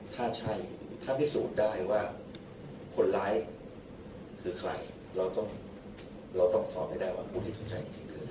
ถ้าใช่ถ้าพิสูจน์ได้ว่าคนร้ายคือใครเราต้องเราต้องสอบให้ได้ว่าผู้ที่ถูกใจจริงคือ